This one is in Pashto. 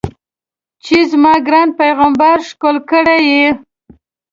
چې زما ګران پیغمبر ښکل کړی یې.